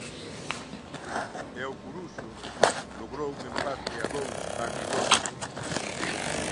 E o Coruxo logrou un empate a dous agridoce.